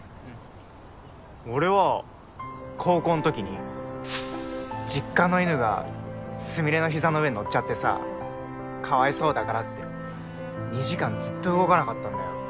俺は高校のときに実家の犬がスミレの膝の上に乗っちゃってさかわいそうだからって２時間ずっと動かなかったんだよ